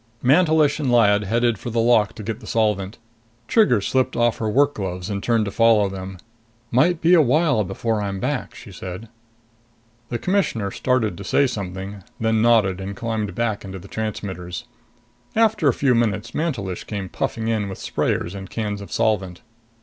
Mantelish and Lyad headed for the lock to get the solvent. Trigger slipped off her work gloves and turned to follow them. "Might be a while before I'm back," she said. The Commissioner started to say something, then nodded and climbed back into the transmitters. After a few minutes, Mantelish came puffing in with sprayers and cans of solvent.